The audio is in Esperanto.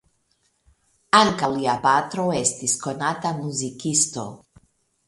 Ankaŭ lia patro estis konata muzikisto.